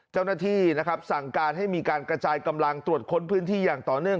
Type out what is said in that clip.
เจ้าหน้าที่นะครับสั่งการให้มีการกระจายกำลังตรวจค้นพื้นที่อย่างต่อเนื่อง